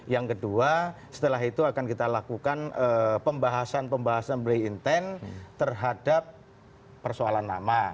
yang kedua setelah itu akan kita lakukan pembahasan pembahasan blay intent terhadap persoalan nama